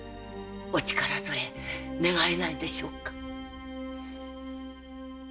お力添え願えないでしょうか。